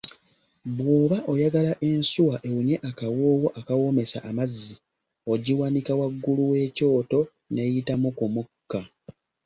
Bw’oba oyagala ensuwa ewunye akawoowo akawoomesa amazzi ogiwanika waggulu w’ekyoto ne yitamu ku mukka.